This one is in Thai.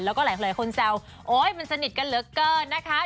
แล้วก็หลายคนแซวโอ๊ยมันสนิทกันเหลือเกินนะคะ